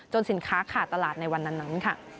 สินค้าขาดตลาดในวันนั้นค่ะ